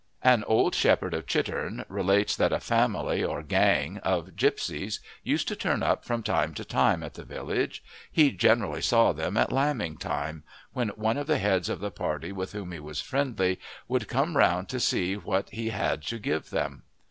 An old shepherd of Chitterne relates that a family, or gang, of gipsies used to turn up from time to time at the village; he generally saw them at lambing time, when one of the heads of the party with whom he was friendly would come round to see what he had to give them.